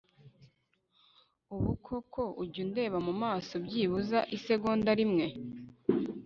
ubu koko ujyundeba mu maso byibuze isegonda rimwe